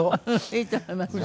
いいと思いますよね。